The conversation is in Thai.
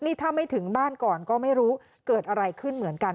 นี่ถ้าไม่ถึงบ้านก่อนก็ไม่รู้เกิดอะไรขึ้นเหมือนกัน